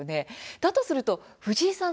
だとすると藤井さん